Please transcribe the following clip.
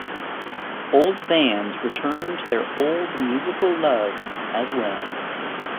Old fans returned to their "old musical love" as well.